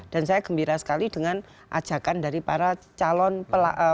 dan saya gembira sekali dengan ajakan dari para calon pelak apa penantang